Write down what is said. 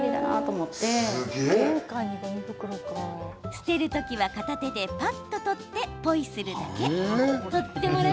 捨てる時は片手でぱっと取ってポイするだけ。